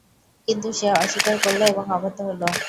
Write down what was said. কিন্তু সে অস্বীকার করল এবং অবাধ্য হল।